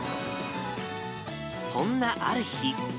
そんなある日。